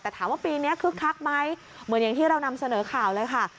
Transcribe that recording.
แต่ถามว่าปีนี้คึกคักไหมเหมือนอย่างที่เรานำเสนอข่าวเลยค่ะ